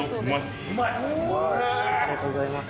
ありがとうございます。